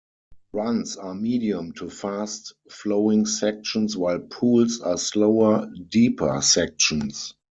Runs are medium- to fast-flowing sections while pools are slower, deeper sections.